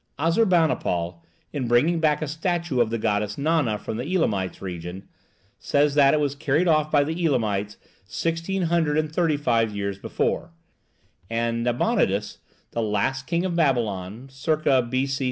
Assurbanipal, in bringing back a statue of the goddess Nana from the Elamite region, says that it was carried off by the Elamites 1635 years before; and Nabonidus, the last king of Babylon (circa B.C.